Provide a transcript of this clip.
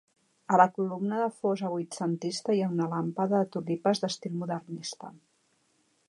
A la columna de fosa vuitcentista hi ha una làmpada de tulipes d'estil modernista.